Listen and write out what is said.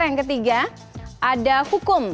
yang ketiga ada hukum